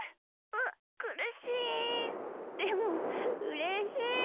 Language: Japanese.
うっくるしいでもうれしい！